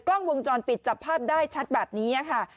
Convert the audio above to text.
กล้องวงจรปิดจับภาพได้ชัดแบบนี้ค่ะ